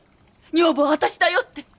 女房は私だよって。